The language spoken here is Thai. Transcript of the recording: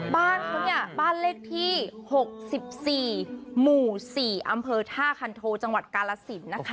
บ้านเขาเนี่ยบ้านเลขที่๖๔หมู่๔อำเภอท่าคันโทจังหวัดกาลสินนะคะ